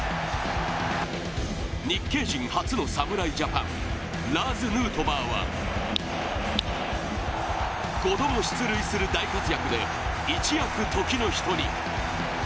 日系人初の侍ジャパンラーズ・ヌートバーは５度も出塁する大活躍で一躍時の人に。